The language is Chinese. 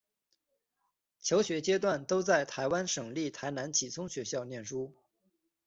求学阶段都在台湾省立台南启聪学校念书。